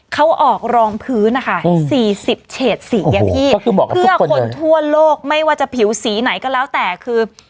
เขาออกรองพื้นนะคะ๔๐เฉดสีอะพี่เพื่อคนทั่วโลกไม่ว่าจะผิวสีไหนก็แล้วแต่คือ